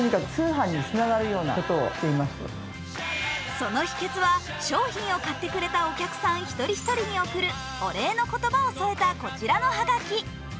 その秘けつは、商品を買ってくれたお客さん一人一人に送るお礼の言葉を添えたこちらのはがき。